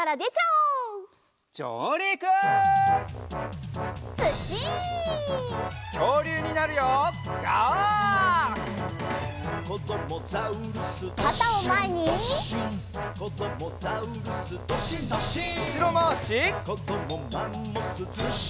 うしろまわし。